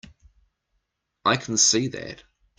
I can see that.